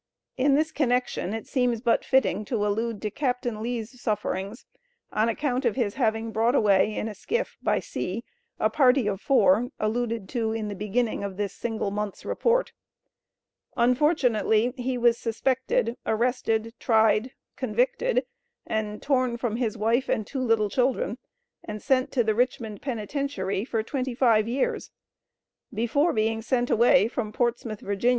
In this connection it seems but fitting to allude to Captain Lee's sufferings on account of his having brought away in a skiff, by sea, a party of four, alluded to in the beginning of this single month's report. Unfortunately he was suspected, arrested, tried, convicted, and torn from his wife and two little children, and sent to the Richmond Penitentiary for twenty five years. Before being sent away from Portsmouth, Va.